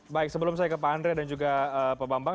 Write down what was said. baik sebelum saya ke pak andre dan juga pak bambang